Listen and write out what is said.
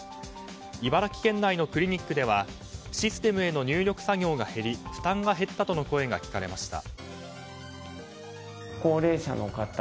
茨城県内のクリニックではシステムへの入力作業が減り負担が減ったとの声が聞かれました。